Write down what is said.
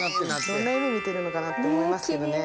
どんな夢見てるのかなって思いますけどね。